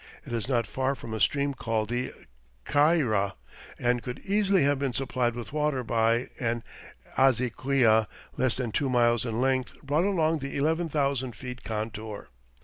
It is not far from a stream called the Kkaira and could easily have been supplied with water by an azequia less than two miles in length brought along the 11,000 feet contour.